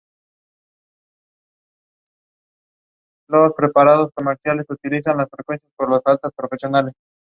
Se interesó especialmente por la construcción de los Ferrocarriles del Norte y del Pacífico.